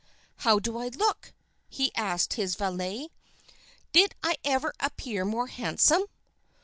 "How do I look?" he asked his valet. "Did I ever appear more handsome?"